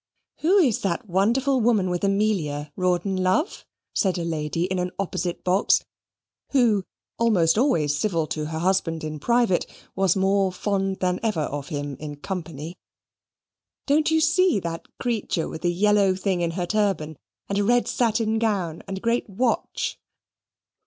"Who is that wonderful woman with Amelia, Rawdon, love?" said a lady in an opposite box (who, almost always civil to her husband in private, was more fond than ever of him in company). "Don't you see that creature with a yellow thing in her turban, and a red satin gown, and a great watch?"